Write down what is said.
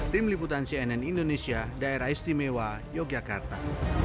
tim liputan cnn indonesia daerah istimewa yogyakarta